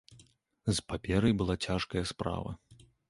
З паперай была цяжкая справа.